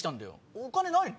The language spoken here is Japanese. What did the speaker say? お金ないの？